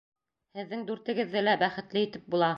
Һеҙҙең дүртегеҙҙе лә бәхетле итеп була!